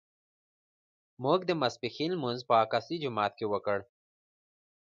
موږ د ماسپښین لمونځ په اقصی جومات کې وکړ.